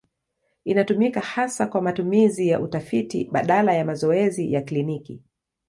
Inatumika hasa kwa matumizi ya utafiti badala ya mazoezi ya kliniki.